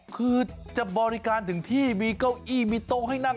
คือจะบริการไม้เข้าอิ่มี่โต๊ะให้นั่ง